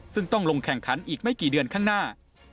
ซึ่งต้องลงแข่งขันอีกไม่กี่เดือนข้างหน้า